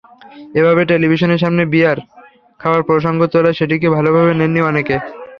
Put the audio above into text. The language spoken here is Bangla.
এভাবে টেলিভিশনের সামনে বিয়ার খাওয়ার প্রসঙ্গ তোলায় সেটিকে ভালোভাবে নেননি অনেকে।